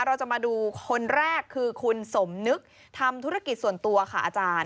เราจะมาดูคนแรกคือคุณสมนึกทำธุรกิจส่วนตัวค่ะอาจารย์